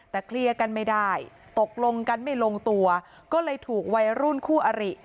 แต่เคลียร์กันไม่ได้ตกลงกันไม่ลงตัวก็เลยถูกวัยรุ่นคู่อริ